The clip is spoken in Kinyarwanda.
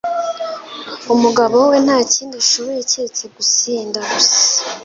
Umugabo we ntakindi ashoboye keretse gusinda gusa